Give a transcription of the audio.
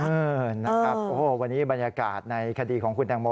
เออนะครับโอ้โหวันนี้บรรยากาศในคดีของคุณแตงโม